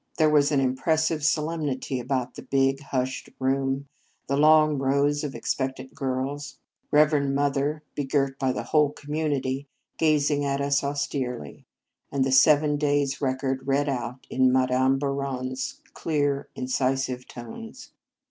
There was an impres sive solemnity about the big, hushed room, the long rows of expectant girls, 164 Marriage Vows Reverend Mother, begirt by the whole community, gazing at us austerely, and the seven days record read out in Madame Bouron s clear, incisive tones.